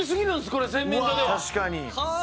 これ洗面所では。